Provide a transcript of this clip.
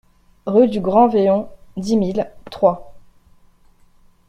Rue du Grand Véon, dix mille Troyes